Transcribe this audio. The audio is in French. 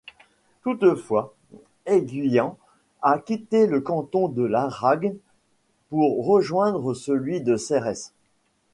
Toutefois, Eyguians a quitté le canton de Laragne pour rejoindre celui de Serres.